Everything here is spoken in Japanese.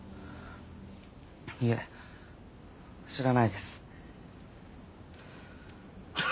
いえ知らないです。